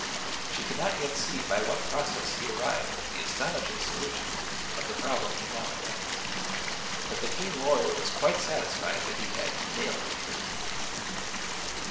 She could not yet see by what process he arrived at the astonishing solution of the problem he now advanced, but the keen lawyer was quite satisfied that he had "nailed the truth."